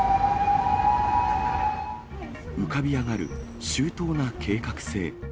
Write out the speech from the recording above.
浮かび上がる周到な計画性。